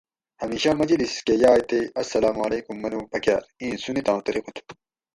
ھمیشہ مجلس کہ یائے تے اسلام علیکم منوگ پکاۤر اِیں سُنتاں طریقہ تھو